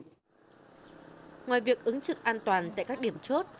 ngoài việc ứng trực an toàn tại các điểm chốt